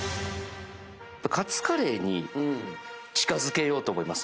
カツカレーに近づけようと思います。